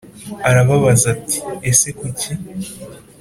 arababaza, ati: «ese kuki?»